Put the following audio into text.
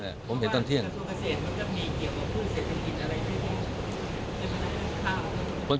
กระทรวงเกษตรมันก็มีเกี่ยวกับผู้เศรษฐกิจอะไรด้วย